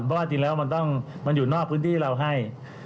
เพราะว่าจริงแล้วมันอยู่นอกพื้นที่เราให้